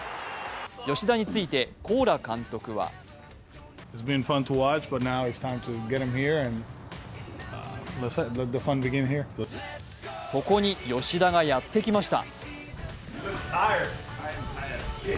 吉田についてコーラ監督はそこに吉田がやってきました。